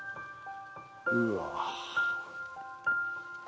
うわ。